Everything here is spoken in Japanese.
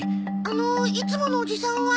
あのいつものおじさんは？